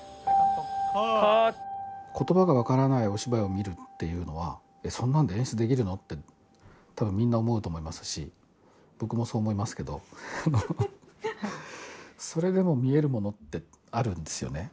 ことばが分からないお芝居を見るっていうのはそんなんで演出できるの？ってたぶんみんな思うと思いますし僕もそう思いますけどそれでも見えるものってあるんですよね。